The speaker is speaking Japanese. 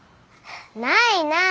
ないない！